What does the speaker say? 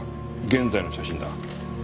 現在の写真だ。